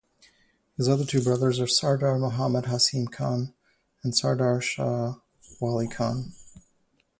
His other two brothers are Sardar Mohammad Hashim Khan and Sardar Shah Wali Khan.